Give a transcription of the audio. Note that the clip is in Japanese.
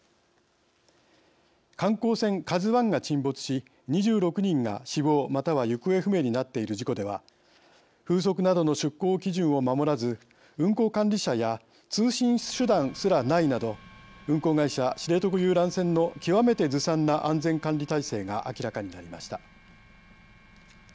観光船「ＫＡＺＵＩ」が沈没し２６人が死亡、または行方不明になっている事故では風速などの出港基準を守らず運航管理者や通信手段すらないなど運航会社「知床遊覧船」の極めてずさんな安全管理体制が明らかになりました。